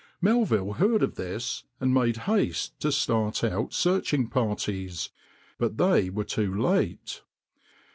Melville heard of this, and made haste to start out searching parties, but they were too late.